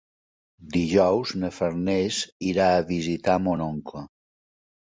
Dijous na Farners irà a visitar mon oncle.